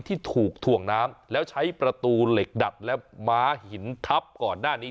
ที่ถูกถ่วงน้ำแล้วใช้ประตูเหล็กดัดและม้าหินทับก่อนหน้านี้